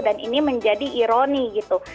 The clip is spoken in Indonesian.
dan ini menjadi ironi gitu